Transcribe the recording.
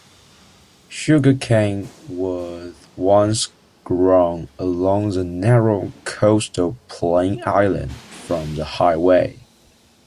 Sugarcane was once grown along the narrow coastal plain inland from the highway.